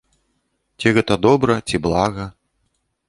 Ці гэта добра, ці блага?